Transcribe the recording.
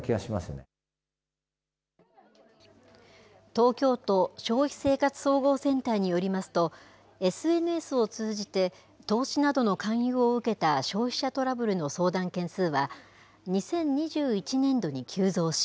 東京都消費生活総合センターによりますと、ＳＮＳを通じて、投資などの勧誘を受けた消費者トラブルの相談件数は、２０２１年度に急増し、